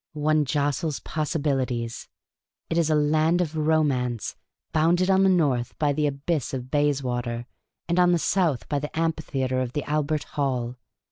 One jostles possibilities. It is a land of romance, bounded on the north by the Abyss of Bayswater, and on the south by the Amphitheatre of the Albert Hall.